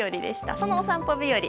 そのお散歩日和